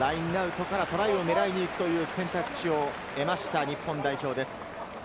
ラインアウトからトライを奪いに行くという選択肢を得ました日本代表です。